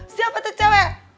siapa tuh cewek